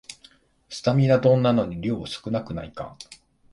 スタミナ丼なのに量少なくないか